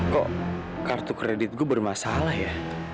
kok kartu kredit gue bermasalah ya